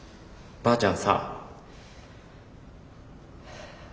ばあちゃん